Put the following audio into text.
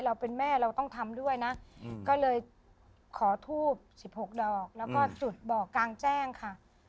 เราเป็นแม่เราต้องทำด้วยนะก็เลยขอทูบ๑๖ดอกแล้วก็จุดบ่อกลางแจ้งค่ะ